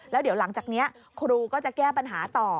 แล้วเดี๋ยวหลังจากนี้ครูก็จะแก้ปัญหาต่อ